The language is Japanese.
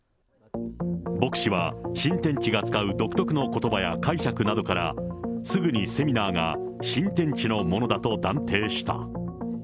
牧師は、新天地が使う独特のことばや解釈などから、すぐにセミナーが新天地のものだと断定した。